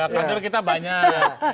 kadur kita banyak